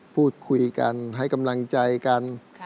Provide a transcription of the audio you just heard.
พูดคุยกันให้กำลังใจกัน